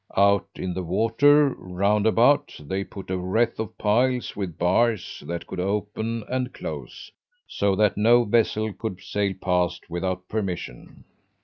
Out in the water, round about, they put a wreath of piles with bars that could open and close, so that no vessel could sail past without permission.